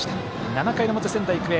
７回の表、仙台育英。